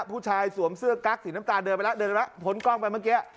สวมเสื้อกั๊กสีน้ำตาลเดินไปแล้วเดินไปแล้วพ้นกล้องไปเมื่อกี้